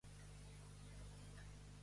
Quina aparença tenen les agaves?